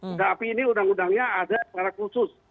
sudah api ini undang undangnya ada secara khusus